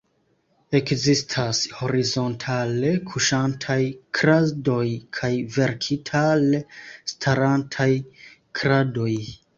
Ekzistas horizontale kuŝantaj kradoj kaj vertikale starantaj kradoj.